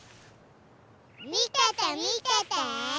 みててみてて！